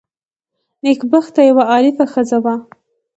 نېکبخته یوه عارفه ښځه وه.